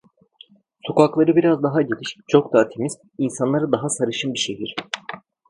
Sokakları biraz daha geniş, çok daha temiz, insanları daha sarışın bir şehir.